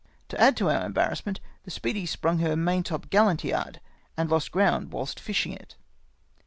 To add to our embarrassment, the Speedy sprung her maintopgallant yard, and lost ground whilst fishing it.